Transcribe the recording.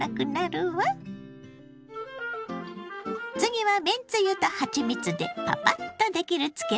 次はめんつゆとはちみつでパパッとできる漬物よ。